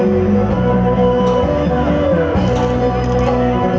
สวัสดี